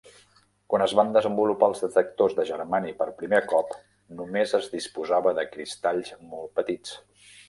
Quan es van desenvolupar els detectors de germani per primer cop, només es disposava de cristalls molt petits.